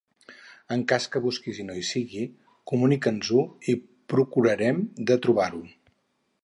En cas que busquis i no hi sigui, comunica'ns-ho i procurarem de trobar-ho.